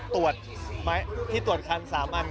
ตรวจที่ตรวจคัน๓อัน